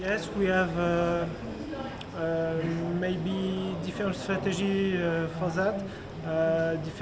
ya kita mungkin memiliki strategi yang berbeda untuk itu